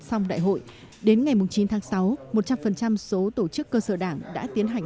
xong đại hội đến ngày chín tháng sáu một trăm linh số tổ chức cơ sở đảng đã tiến hành